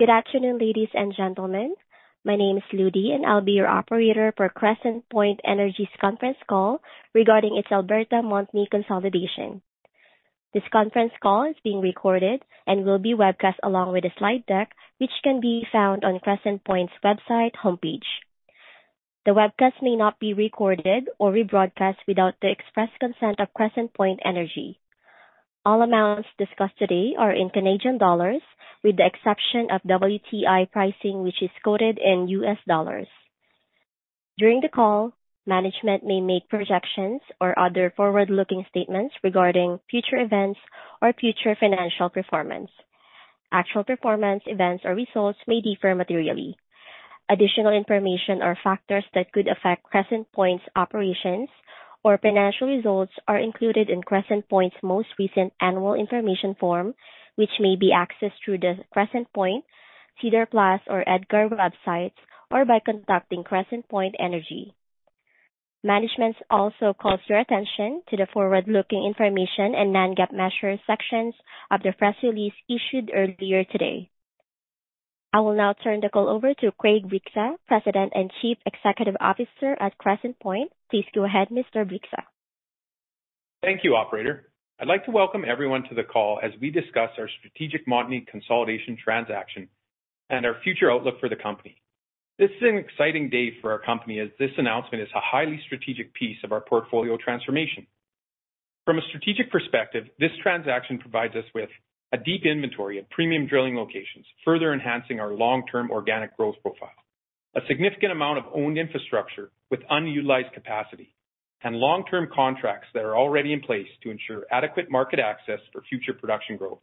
Good afternoon, ladies and gentlemen. My name is Ludy, and I'll be your operator for Crescent Point Energy's conference call regarding its Alberta Montney consolidation. This conference call is being recorded and will be webcast along with the slide deck, which can be found on Crescent Point's website homepage. The webcast may not be recorded or rebroadcast without the express consent of Crescent Point Energy. All amounts discussed today are in Canadian dollars, with the exception of WTI pricing, which is quoted in US dollars. During the call, management may make projections or other forward-looking statements regarding future events or future financial performance. Actual performance, events or results may differ materially. Additional information or factors that could affect Crescent Point's operations or financial results are included in Crescent Point's most recent annual information form, which may be accessed through the Crescent Point, SEDAR+, or EDGAR websites, or by contacting Crescent Point Energy. Management also calls your attention to the forward-looking information and non-GAAP measures sections of the press release issued earlier today. I will now turn the call over to Craig Bryksa, President and Chief Executive Officer at Crescent Point. Please go ahead, Mr. Bryksa. Thank you, operator. I'd like to welcome everyone to the call as we discuss our strategic Montney consolidation transaction and our future outlook for the company. This is an exciting day for our company, as this announcement is a highly strategic piece of our portfolio transformation. From a strategic perspective, this transaction provides us with a deep inventory of premium drilling locations, further enhancing our long-term organic growth profile. A significant amount of owned infrastructure with unutilized capacity and long-term contracts that are already in place to ensure adequate market access for future production growth.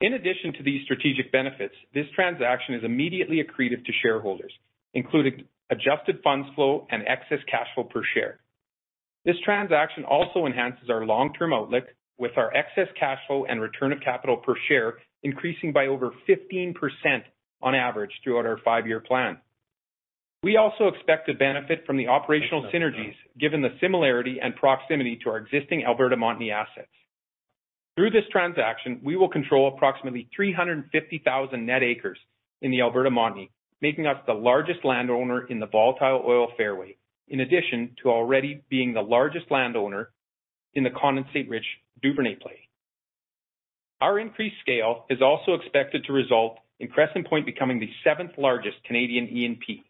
In addition to these strategic benefits, this transaction is immediately accretive to shareholders, including adjusted funds flow and excess cash flow per share. This transaction also enhances our long-term outlook, with our excess cash flow and return of capital per share increasing by over 15% on average throughout our five-year plan. We also expect to benefit from the operational synergies, given the similarity and proximity to our existing Alberta Montney assets. Through this transaction, we will control approximately 350,000 net acres in the Alberta Montney, making us the largest landowner in the Volatile Oil Fairway, in addition to already being the largest landowner in the condensate-rich Duvernay Play. Our increased scale is also expected to result in Crescent Point becoming the seventh largest Canadian E&P.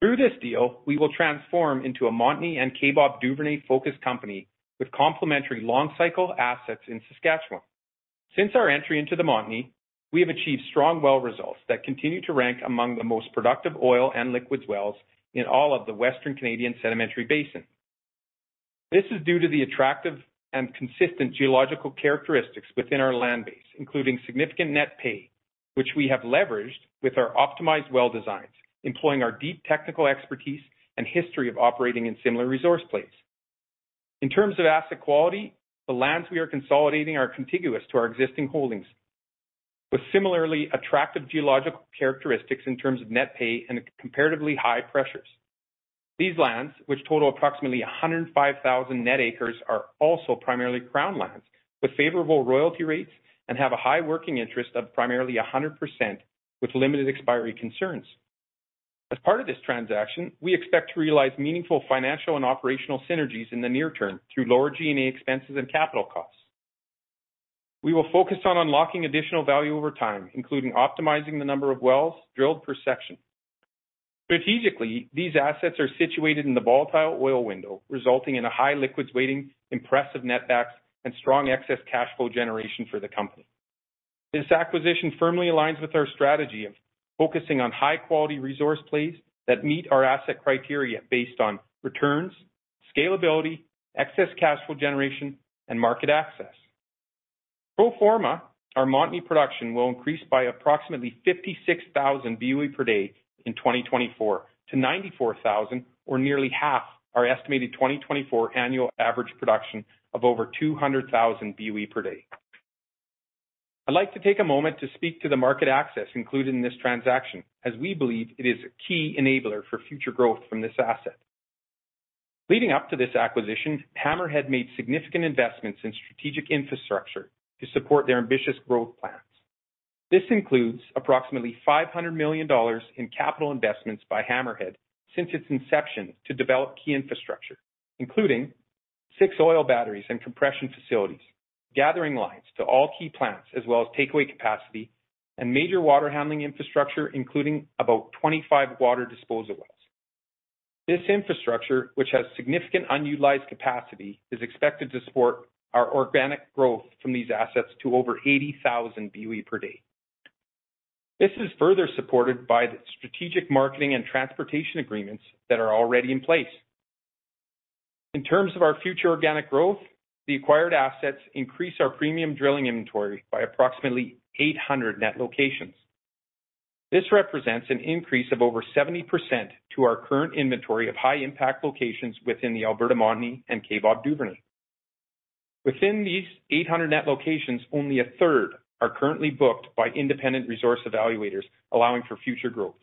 Through this deal, we will transform into a Montney and Kaybob Duvernay-focused company with complementary long cycle assets in Saskatchewan. Since our entry into the Montney, we have achieved strong well results that continue to rank among the most productive oil and liquids wells in all of the Western Canadian Sedimentary Basin. This is due to the attractive and consistent geological characteristics within our land base, including significant net pay, which we have leveraged with our optimized well designs, employing our deep technical expertise and history of operating in similar resource plays. In terms of asset quality, the lands we are consolidating are contiguous to our existing holdings, with similarly attractive geological characteristics in terms of net pay and comparatively high pressures. These lands, which total approximately 105,000 net acres, are also primarily Crown lands with favorable royalty rates and have a high working interest of primarily 100%, with limited expiry concerns. As part of this transaction, we expect to realize meaningful financial and operational synergies in the near term through lower G&A expenses and capital costs. We will focus on unlocking additional value over time, including optimizing the number of wells drilled per section. Strategically, these assets are situated in the volatile oil window, resulting in a high liquids weighting, impressive netbacks, and strong excess cash flow generation for the company. This acquisition firmly aligns with our strategy of focusing on high-quality resource plays that meet our asset criteria based on returns, scalability, excess cash flow generation, and market access. Pro forma, our Montney production will increase by approximately 56,000 BOE per day in 2024 to 94,000, or nearly half our estimated 2024 annual average production of over 200,000 BOE per day. I'd like to take a moment to speak to the market access included in this transaction, as we believe it is a key enabler for future growth from this asset. Leading up to this acquisition, Hammerhead made significant investments in strategic infrastructure to support their ambitious growth plans. This includes approximately 500 million dollars in capital investments by Hammerhead since its inception to develop key infrastructure, including six oil batteries and compression facilities, gathering lines to all key plants, as well as takeaway capacity and major water handling infrastructure, including about 25 water disposal wells. This infrastructure, which has significant unutilized capacity, is expected to support our organic growth from these assets to over 80,000 BOE per day. This is further supported by the strategic marketing and transportation agreements that are already in place. In terms of our future organic growth, the acquired assets increase our premium drilling inventory by approximately 800 net locations. This represents an increase of over 70% to our current inventory of high-impact locations within the Alberta Montney and Kaybob Duvernay. Within these 800 net locations, only a third are currently booked by independent resource evaluators, allowing for future growth.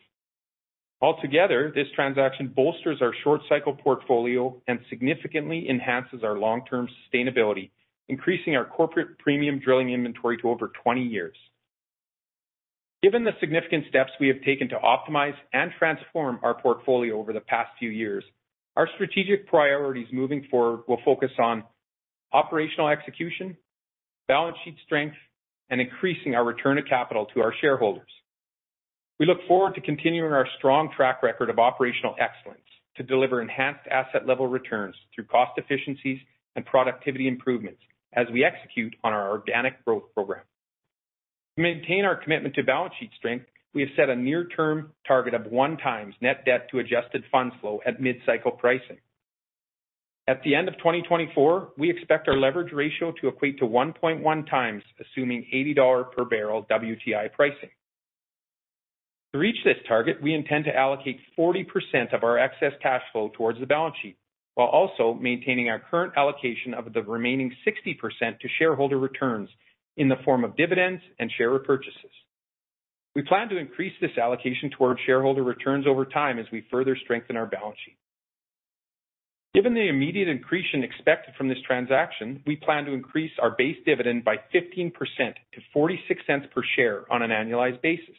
Altogether, this transaction bolsters our short cycle portfolio and significantly enhances our long-term sustainability, increasing our corporate premium drilling inventory to over 20 years. Given the significant steps we have taken to optimize and transform our portfolio over the past few years, our strategic priorities moving forward will focus on operational execution, balance sheet strength, and increasing our return of capital to our shareholders. We look forward to continuing our strong track record of operational excellence, to deliver enhanced asset level returns through cost efficiencies and productivity improvements as we execute on our organic growth program. To maintain our commitment to balance sheet strength, we have set a near-term target of 1x net debt to adjusted funds flow at mid-cycle pricing. At the end of 2024, we expect our leverage ratio to equate to 1.1 times, assuming $80 per barrel WTI pricing. To reach this target, we intend to allocate 40% of our excess cash flow towards the balance sheet, while also maintaining our current allocation of the remaining 60% to shareholder returns in the form of dividends and share repurchases. We plan to increase this allocation towards shareholder returns over time as we further strengthen our balance sheet. Given the immediate increase in expected from this transaction, we plan to increase our base dividend by 15% to 0.46 per share on an annualized basis.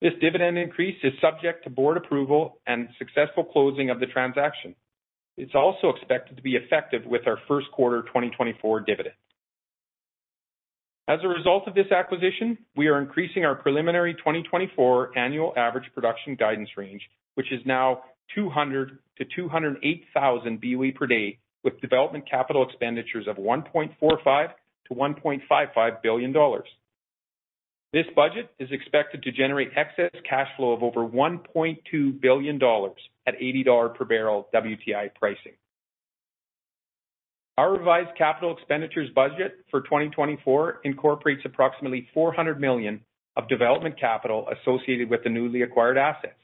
This dividend increase is subject to board approval and successful closing of the transaction. It's also expected to be effective with our Q1 2024 dividend. As a result of this acquisition, we are increasing our preliminary 2024 annual average production guidance range, which is now 200-208,000 BOE per day, with development capital expenditures of 1.45 billion-1.55 billion dollars. This budget is expected to generate excess cash flow of over 1.2 billion dollars at $80 per barrel WTI pricing. Our revised capital expenditures budget for 2024 incorporates approximately 400 million of development capital associated with the newly acquired assets,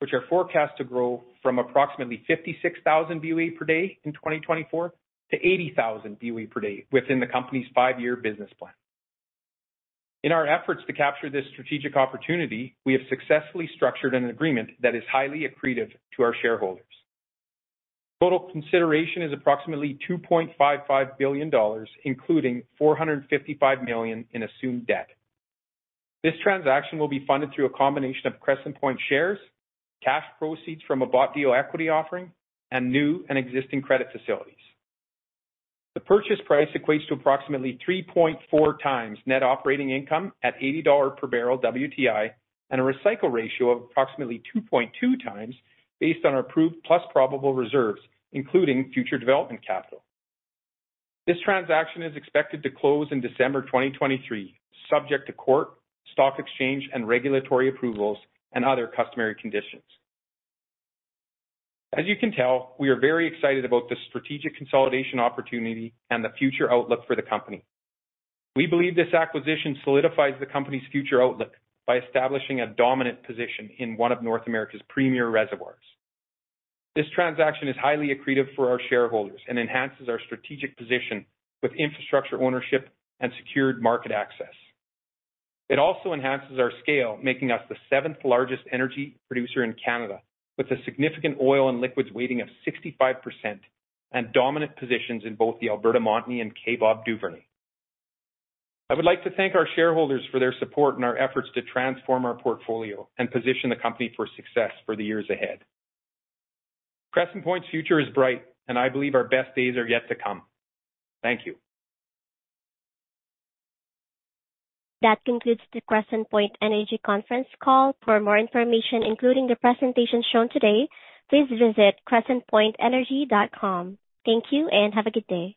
which are forecast to grow from approximately 56,000 BOE per day in 2024 to 80,000 BOE per day within the company's five-year business plan. In our efforts to capture this strategic opportunity, we have successfully structured an agreement that is highly accretive to our shareholders. Total consideration is approximately $2.55 billion, including $455 million in assumed debt. This transaction will be funded through a combination of Crescent Point shares, cash proceeds from a bought deal equity offering, and new and existing credit facilities. The purchase price equates to approximately 3.4 times net operating income at $80 per barrel WTI, and a recycle ratio of approximately 2.2 times based on our proved plus probable reserves, including future development capital. This transaction is expected to close in December 2023, subject to court, stock exchange, and regulatory approvals, and other customary conditions. As you can tell, we are very excited about this strategic consolidation opportunity and the future outlook for the company. We believe this acquisition solidifies the company's future outlook by establishing a dominant position in one of North America's premier reservoirs. This transaction is highly accretive for our shareholders and enhances our strategic position with infrastructure ownership and secured market access. It also enhances our scale, making us the seventh largest energy producer in Canada, with a significant oil and liquids weighting of 65% and dominant positions in both the Alberta Montney and Kaybob Duvernay. I would like to thank our shareholders for their support in our efforts to transform our portfolio and position the company for success for the years ahead. Crescent Point's future is bright, and I believe our best days are yet to come. Thank you. That concludes the Crescent Point Energy conference call. For more information, including the presentation shown today, please visit crescentpointenergy.com. Thank you, and have a good day.